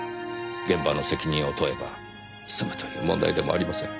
現場の責任を問えば済むという問題でもありません。